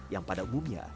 yang pada umumnya